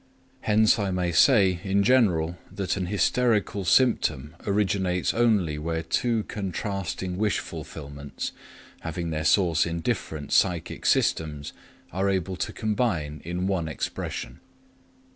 Hence I may say, in general, that _an hysterical symptom originates only where two contrasting wish fulfillments, having their source in different psychic systems, are able to combine in one expression_.